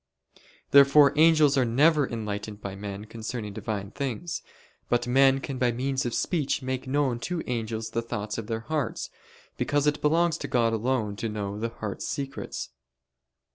Therefore angels are never enlightened by men concerning Divine things. But men can by means of speech make known to angels the thoughts of their hearts: because it belongs to God alone to know the heart's secrets.